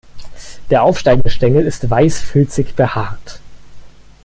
Der aufsteigende Stängel ist weißfilzig behaart.